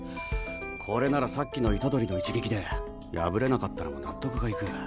これならさっきの虎杖の一撃で破れなかったのも納得がいく。